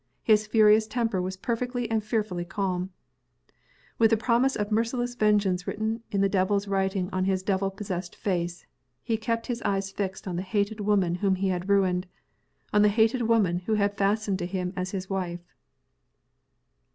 His furious temper was perfectly and fearfully calm. With the promise of merciless vengeance written in the Devil s writing on his Devil possessed face, he kept his eyes fixed on the hated woman whom he had ruined on the hated woman who was fastened to him as his wife.